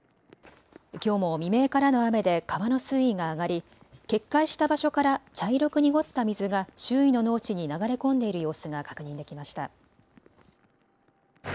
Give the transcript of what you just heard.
きょうも未明からの雨で川の水位が上がり決壊した場所から茶色く濁った水が周囲の農地に流れ込んでいる様子が確認できました。